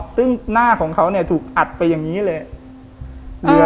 ซึ่งหน้าของเขาเนี่ยถูกอัดไปอย่างงี้เลยอ่า